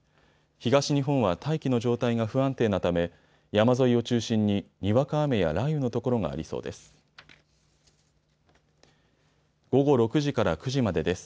東日本は大気の状態が不安定なため山沿いを中心ににわか雨や雷雨の所がありそうです。